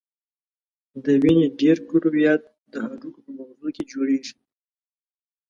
د وینې ډېری کرویات د هډوکو په مغزو کې جوړیږي.